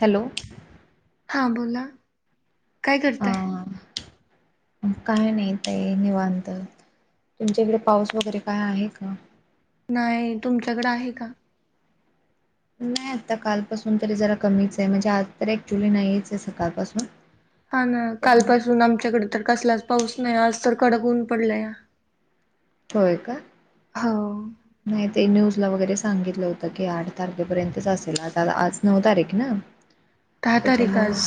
Hello हा बोला काय अ करताय? काय नाही ताई निवांत तुमच्या इकडे पाऊस वगैरे काय आहे का? नाही तुमच्याकडें आहे का? नाही आता कालपासून तरी जरा कमीच आहे म्हणजे आज तर ऍक्च्युली नाहीच आहे सकाळपासून हा ना पण कालपासून आमच्याकडे तर कसलाच पाऊस नाही आज तर कडक होऊन पडला या होय का हो नाही ते न्यूजला वगैरे सांगितलं होतं की आठ तारखेपर्यंतच असेल आता आज नऊ तारीख ना ते दहा तारीख त्याच्यामुळे आज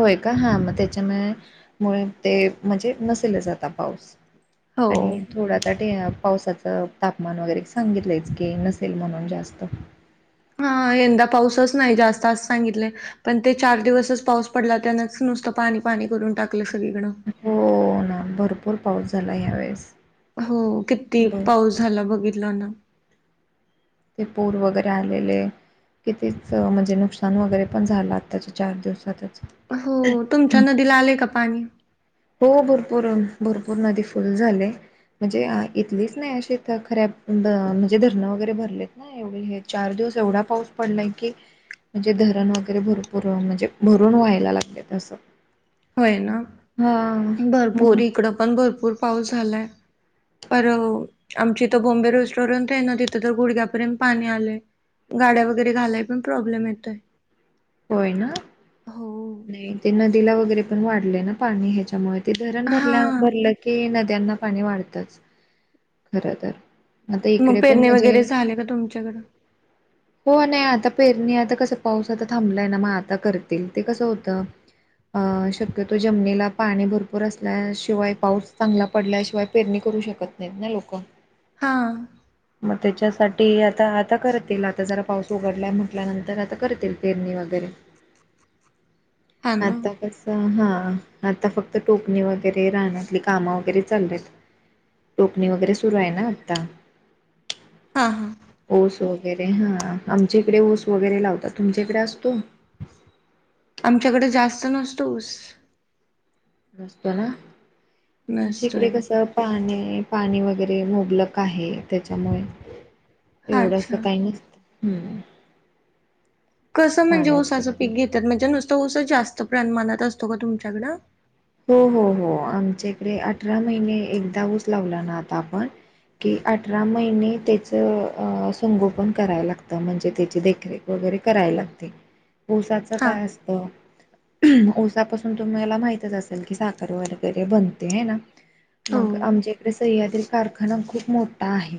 होय का हा मग त्याच्यामुळे ते म्हणजे नसेलच आता पाऊस हो आणि थोडा पावसाच तापमान तापमान वगैरे सांगितलंयच कि नसेल म्हणून जास्त हा यंदा पाऊसच नाही जास्त असं सांगितले. पण ते चार दिवसच पाऊस पडला त्यान नुसतं पाणी पाणी करून टाकलं सगळीकड हो ना भरपूर पाऊस झाला ह्यावेेळेस हो किती पाऊस भरपूर झाला बघितला ना. ते पूर वगैरे आलेले कितीच म्हणजे नुकसान वगैरे पण झालं आत्ताच्या चार दिवसातच हो तुमच्या नदीला आलेय का पाणी. हो भरपूर भरपूर नदी फुल झाले. म्हणजे इथलीच नाही अशीथ खऱ्या म्हणजे धरणं वगैरे भरले. नाही एवढी हे चार दिवस एवढा पाऊस पडलाय की म्हणजे धरण वगैरे भरपूर म्हणजे भरून व्हायला लागले असं होय ना हा मुं भरपूर इकडं पण भरपूर पाऊस झालाय पर आमची इथं थ बॉम्बे रेस्टॉरंट आहे ना तिथं तर गुडघ्यापर्यंत पाणी आलंय. गाड्या वगैरे घालाय पण प्रॉब्लेम येतोय होय ना हो. नाही ते नदीला वगैरे पण वाढले ना पाणी ह्याच्यामुळे धरण हा भरल्या भरलं की नद्यांना पाणी वाढतंच. खर तर आता मग इकडे पण पेरणी म्हजे. वगैरे झाले का तुमच्याकडं? हो नाही आता पेरणी आता कसं पाऊस आता थांबलाय ना मग आता करतील ते कसं होतं अ शक्यतो जमनीला पाणी भरपूर असल्याशिवाय पाऊस चांगला पडल्याशिवाय पेरणी करू शकत नाहीत ना लोक हां ह मग त्याच्यासाठी आता आता करतील आता जरा पाऊस उघडलाय म्हटल्यानंतर आता करतील पेरणी वगैरे हा ना आता कास. तर हां आता फक्त टोकणी वगैरे राहण्यातली कामं वगैरे चालल्या आहेत टोपणी वगैरे सुरू आहे ना आता. हा हा ओस वगैरे हा आमच्याकडे ओस वगैरे लावतात तुमच्याकडे असतो आमच्याकडे जास्त नसतोस त ना आचेकडे नसतोय कस. पाने पाणी वगैरे मोबलक आहे त्याच्यामुळे एवढंस अच्छा. काही नसत हम्म. कसं म्हणजे पाणी ओसाचं वगैरे पीक घेतात म्हणजे नुसतं ओसं जास्त प्रमाणात असतो का तुमच्याकडं हो हो हो आमच्याकडे अठरा महिने एकदा उऊच लावला ना आता आपण की अठरा महिने त्याचं संगोपन करायला लागतं म्हणजे त्याची देखरेख वगैरे करायला लागते ओसाच हा काय असतं ओसापसून तुम्हाला माहितच असत की साखर वगैगैरे बनते आहे ना हो मग आमज आप सह्याद कारखाना खूप मोठा आहे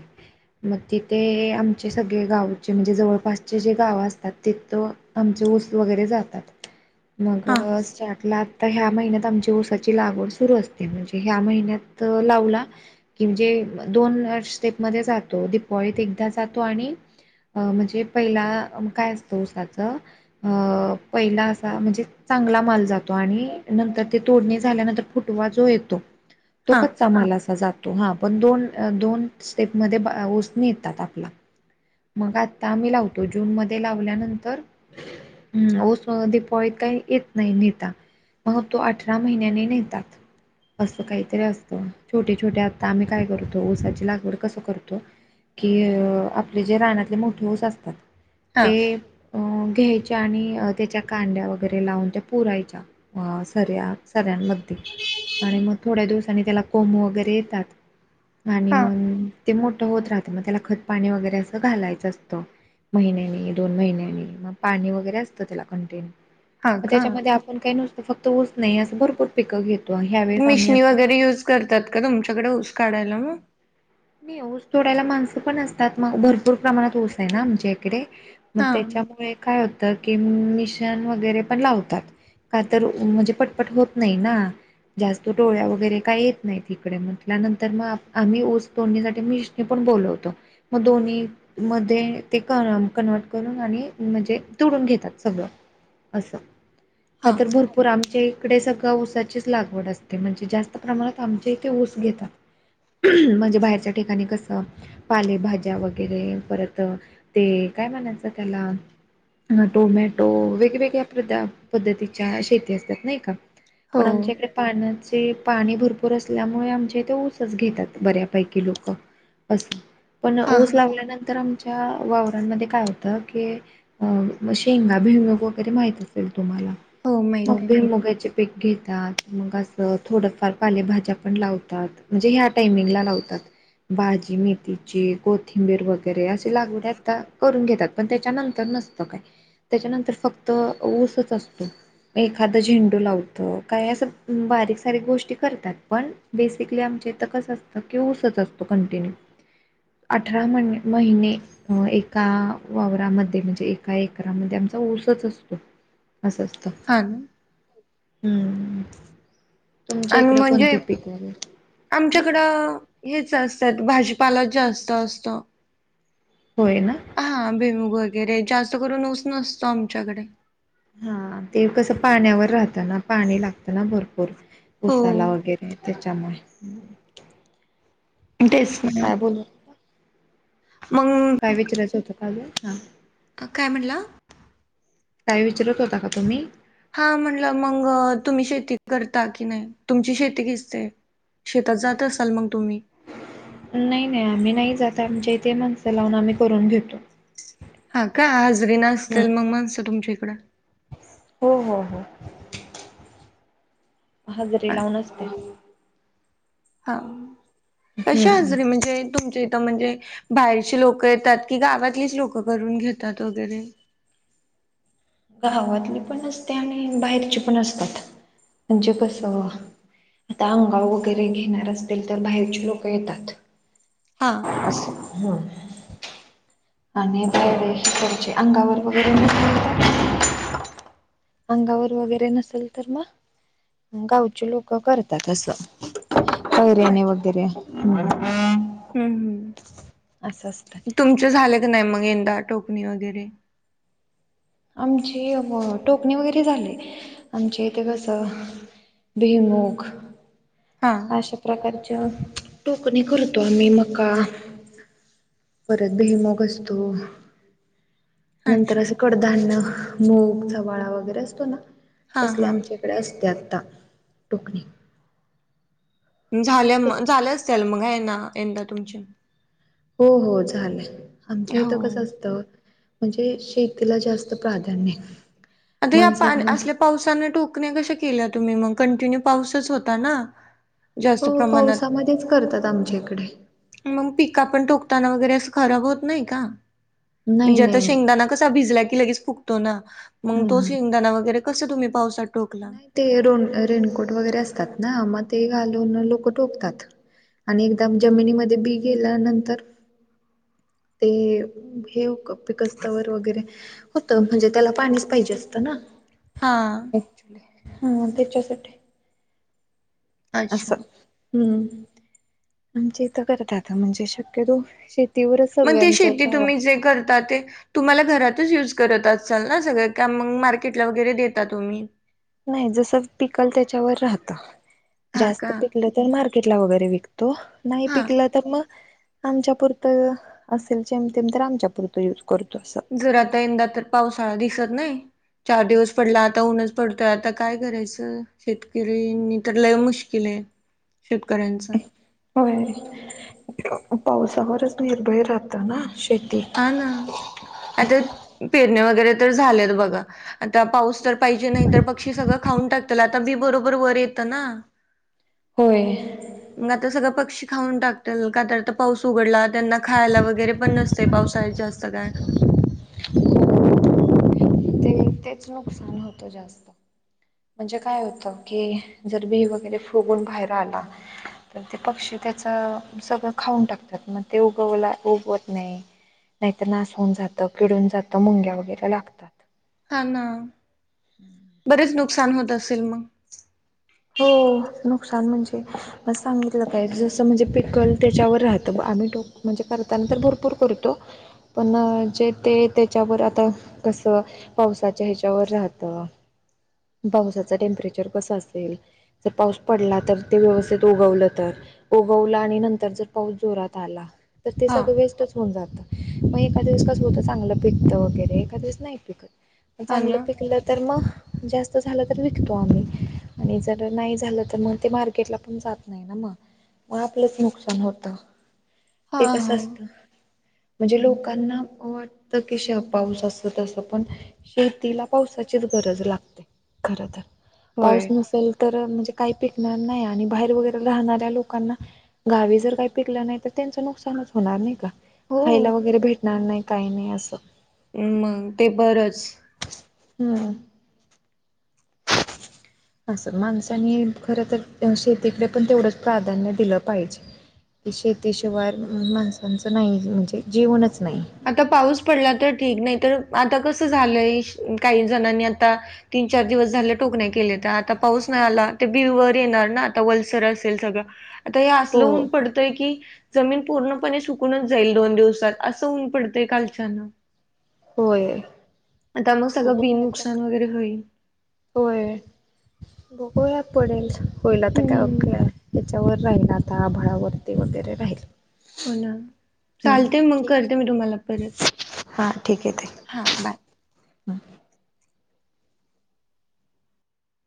मग तिथे आमचे सगळे गावचे म्हणजे जवळपासचे जे गाव असतात तिथ तो आमच वस्तू वगैरे जातात मग हा स्टार्टला आता ह्या महिन्यात आमच्या वसाची लागवड सुरू असते म्हणजे ह्या महिन्यात लावला की म्हणजे दोन स्टेप मध्ये जातो दिपाळीत एकदा जातो आणि म्हणजे पहिला काय असतो साचं अ पहिला असा म्हणजे चांगला माल जातो आणि नंतर. तोडणी झाल्यानंतर फुटवा जो येतो तो. हा समालासा जातो हा पण दोन दोन स्टेप मध्ये सणी येतात आपला. मग आता आम म्ही लावतो जून मध्ये लावल्यानंतर. हम् स प काही येत नाही नेता. मग तो अठरा महिन्याने नेतात असं काहीतरी असतं छोटे छोटे आता आम्ही काय करतो ऊसाची लागवड कसं करतो. कि आपले जे रानातले मोठे ऊस असतात हा ते अ घ्यायच्या आणि त्याच्या कांद्या वगैरे लावून त्या पुरायच्या. सऱ्या सऱ्यांमध्ये आणि मग थोड्या दिवसांनी त्याला कोम वगैरे येतात. आणि हा. मग ते मोठ होत राहतं मग त्याला खतपाणी वगैरे असं घालायचं असतं महिन्याने दोन महिन्याने मग पाणी वगैरे असतं त्याला कंटें हा मग का त्याच्यामध्ये आपण काही नुसतो फक्त ऊच नाही असं भरपूर पिकं घेतो ह्यावेेळेस आम्ही मिशनी आता वगैरे युज करतात का तुमच्याकडेऊस काढायला मग मी ऊस तोडायला माणसं पण असतात मग भरपूर प्रमाणात ऊस आहे ना आमच्या इकडे मग हा त्याच्यामुळे काय होतं की मिशन वगैरे पण लावतात. का तर म्हणजे पटपट होत नाही ना. जास्त टडोळ्या वगैरे काय येत नाही तिकडे म्हटल्यानंतर मग आम्ही स दोन्ही सा मीनी पण बोलवतो मग दोन्ही. मध्ये ते क कन्वर्ट करून आणि म्हणजे तुडून घेतात सगळं असं हा कातर भरपूर आमचे तिकडे सगळं ऊसाचीच लागवड असते म्हणजे जास्त प्रमाणात आमच्या इथे ऊस घेतात म्हणजे बाहेरच्या ठिकाणी कसं पालेभाज्या वगैरे परत ते काय म्हणायचं त्याला टोमॅटो वेगवेगळ्या पध पद्धतीच्या शेती असतात नाही का हो पण आमच्या इकडे पाण्याचे पाणी भरपूर असल्यामुळे आमच्या तेे ऊसच घेतात बऱ्या ैकी लोक अस पण हा ओस हा लागल्यानंतर आ च्या वावरवरांमध्ये काय होतं की अ म शेंगा भिमुग वगैरे माहित असेल तुम्हाला हो मग माहिती आहे भिरमुगाचे पेक घेतात मग असं थोडंफार पालेभाज्या पण लावतात म्हणजे ह्या टाइमिंगला लावतात तत भाजी मेथीची कोथिंबीर वगैरे असे लागवड आता करून घेतात पण त्याच्यानंतर नसते का त्याच्यानंतर फक्त ऊसच असतो एखादा झेंडू लावतं काय असं बारीक सारीक गोष्टी करतात पण बेसिकली आमचे तकच असतं कि ऊसच असतो कंटिन्यू अठरा म महिने अ एका वावरामध्ये म्हणजे एका एरामध्ये आमचा ऊसच असतो असंचत हां हम्म तुमच्या आणि इकडे म्हणजे कोणते पीक वगैरे? हम्म. आमच्याकडं च असतात भाजीपाला जास्त असतं होय ना हा भेमुूग वगैरे जास्त करून ऊस नसतो आमच्याकडे हा ते कसं पाण्यावर राहतं ना पाणी लागतं ना भरपूर हो उसाला वगैरे त्याच्यामुळे अेसणार काय बोल मग काय विचारायचं होतं काज हा काय म्हणला काय विचारत होता का तुम्ही हा म्हटलं मग तुम्ही शेती करता की नाही तुमची शेती घसते शेतात जात असाल मग तुम्ही नाही नाही आम्ही नाही जात आमच्या इथे माणसं लावून आम्ही करून घेतो हा का आज वि हम्म नसतील मग माणतं तुमच्या इकडं हो हो हो हजरीे लावून असते हा कशी हम्म. आजरीे म्हणजे तुमच्या इथं म्हणजे बाहेरचे लोक येतात की गावातलेच लोक करून घेतात वगैरे गावातली पण अस असते आणि बाहेरची पण असतात म्हणजे कसं आता अंगाव वगैरे घेणार असतील तर बाहेरचे लोक येतात हा. हा. आणि चे अंगावर वगैरे म्ह अंगावर वगैरे नसेल तर म गावचे लोक करतात असं पैरेने वगैरे हम् हम् असतं तुमच झाले क नाही मग यंदा टोकणी वगैरे आमची टोकणी वगैरे झाली आमचे ते कसं भेमुग हा अशा प्रकारच्या टोकणी करतो आम्ही मका परत भुईमुग असतो. नंतर अच्छा असे कडधान्य मूग, चवाळा वगैरे असतो ना हा तसले हा आमचे असते आता टोकणी झाल्या मग कसं झालंच त्याल मग आहे ना यंदा तुमचे हो हो झालं. आमच्या इथं हो कसं असत म्हणजे शेतीला जास्त प्राधान्य अग या पा माणसांना असल्या पावसाने टोकण्या कशा केल्या तुम्ही मग कंटिन्यू पाऊसच होता ना? जास्त हो. प्रमाणात पावसामध्येच करतात आमच्या इकडे. मग पिका आपण टोकताना वगैरे अस खराब होत नाही का नाही म्हणजे आता नाही नाही शेंगदाणा कसा भिजला की लगेच फुगतो ना, मग हम्म तो हम्म शेंगदाणा वगैरे कस तुम्ही पावसात टोकला? नाही ते रो रेनकोट वगैरे असतात ना मग ते घालून लोक टोकतात. आणि एकदाम जमिनीमध्ये बी गेल्यानंतर ते हे पिकस्तवर वगैरे होत. म्हणजे त्याला पाणीच पाहिजे असतं ना. हा. [unintelligible] हा त्याच्यासाठी. अच्छा. असं हम्म. आमच्या इथ करत्यात म्हणजे शक्यतो श मग ते शेती तुम्ही जे करता ते तुम्हाला घरातच युज करत असाल ना सगळं का मग मार्केटला वगैरे देता तुम्ही? नाही. जस पिकल त्याच्यावर राहत. हां जास्त का? पिकल तर मार्केटला वगैरे विकतो. नाही हां. पिकलं तर मग आमच्यापुरतं असेल जेमतेम तर आमच्यापुरतं युज करतो असं. जर आता यंदा तर पावसाळा दिसत नाही. चार दिवस पडला आता ऊनच पडतोय, आता काय करायचं शेतकरी नी तर लय मुश्क केले शेतकऱ्यांचं. होय. पावसावरच निर्भय राहत ना शेती. हा ना आता पेरणे वगैरे तर झालेत बघा आता पाऊस तर पाहिजे नाही, तर पक्षी सगळं खाऊन टाकतील आता बी बरोबर वर येतं ना. होय. मग आता सगळं पक्षी खाऊन टाकतील का तर आता पाऊस उघडला त्यांना खायला वगैरे पण नसते पावसा जास्त काय? ते तेच नुकसान होतं जा म्हणजे काय होतं की जर बी वगैरे फुगून बाहेर आला तर ते पक्षी त्याचं सगळं खाऊन टाकतात मग ते उगवला उगवत नाही. नाहीतर नास हुन जात, किडून जात, मुंग्या वगैरे लागता. हा ना. बरेच नुकसान होत असेल मग. हो. नुकसान म्हणजे म सांगितलं काय जसं म्हणजे पिकल त्याच्यावर राहतं आम्ही क म्हणजे करताना तर भरपूर करतो. पण जे ते त्याच्यावर आता तस पावसाच्या ह्याच्यावर राहत. पावसाच टेम्परेचर कसं असेल. जर पाऊस पडला, तर ते व्यवस्थित उगवलं तर उगवला आणि नंतर जर पाऊस जोरात आला, तर ते हा सगळं वेस्टच होऊन जातं. मग एका दिवस कसं होतं चांगलं पिकतं वगैरे एका दिवस नाही पिकत. हा चांगलं ना. पिकलं तर मग जास्त झालं तर विकतो आम्ही आणि जर नाही झालं तर मग ते मार्केटला पण जात नाही ना मग. मग आपलंच नुकसान होत. हा ते कसं हा असत म्हणजे लोकांना वाटत की श पाऊस असत तसं पण. शेतीला पावसाचीच गरज लागते खर तर पाऊस होय नसेल तर म्हणजे काही पिकणार नाही आणि बाहेर वगैरे राहणाऱ्या लोकांना गावी जर काही पिकलं नाही तर त्यांचं नुकसानच होणार नाही का. हो खायला वगैरे भेटणार नाही काही नाही असं. मग ते बरंच. हम्म! [inaudible] असं माणसनी खर तर शेतीकडे पण तेवढंच प्राधान्य दिलं पाहिजे. शेती शिवाय माणसांचं नाही म्हणजे जीवनच नाही. आता पाऊस पडला तर ठीक नाही तर आता कसं झालंय काही जणांनी आता तीन चार दिवस झाले टोकन्या केलेत्या तर आता पाऊस नाही आला ते बी वर येणार ना आता वलसर असेल सगळं. आता हे हो असलं होऊन पडतय की जमीन पूर्णपणे सुकूनच जाईल दोन दिवसात असं ऊन पडतय कालच्यान होय आता मग सगळं बघू बी आता नुकसान काय वगैरे होईल. होय बघुया पडेल होईल आता हं. काय त्याच्यावर राहिल आता आभळावरती वगैरे राहील. हो ना हम्म चालतय मग ठीक करते आहे. मी तुम्हाला परत, हां ठीक आहे ताई. हां बाय.